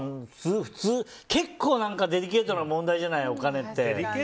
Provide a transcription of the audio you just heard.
結構デリケートな問題じゃないお金って。